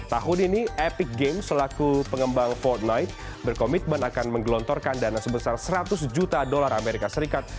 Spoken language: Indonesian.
tahun ini epic games selaku pengembang fort knight berkomitmen akan menggelontorkan dana sebesar seratus juta dolar amerika serikat